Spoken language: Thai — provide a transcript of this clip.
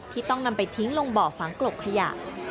ต้องนำไปทิ้งลงบ่อฝังกลบขยะ